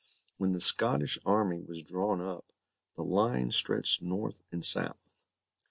When the Scottish army was drawn up, the line stretched north and south.